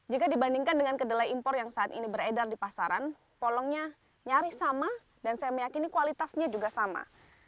jika dibandingkan dengan kedelai impor yang saat ini beredar di pasaran polongnya nyaris sama dan saya meyakini kualitasnya juga sama